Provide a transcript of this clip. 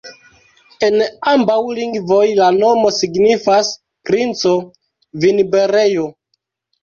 En ambaŭ lingvoj la nomo signifas: princo-vinberejo.